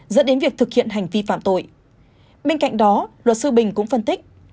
dẫn đến việc thực hiện hành vi phạm tội bên cạnh đó luật sư bình cũng phân tích